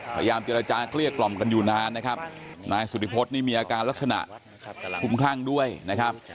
พยายามเจรจาเกลี้ยกล่อมกันอยู่นานนะครับนายสุธิพฤษนี่มีอาการลักษณะคลุมคลั่งด้วยนะครับ